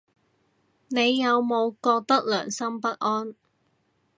你有冇覺得良心不安